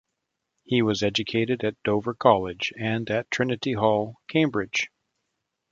He was educated at Dover College and at Trinity Hall, Cambridge.